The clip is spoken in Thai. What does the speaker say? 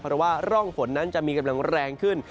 เพราะว่าร่องฝนนั้นจะมีกำลังแรงขึ้น